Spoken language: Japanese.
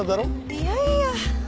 いやいや。